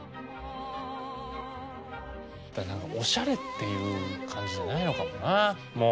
何かおしゃれっていう感じじゃないのかもなもう。